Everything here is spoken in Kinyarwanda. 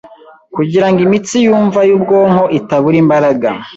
kugira ngo imitsi yumva y’ubwonko itabura imbaraga,